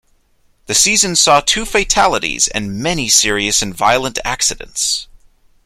The season saw two fatalities and many serious and violent accidents.